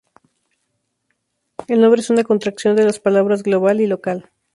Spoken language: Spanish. El nombre es una contracción de las palabras "global" y "local".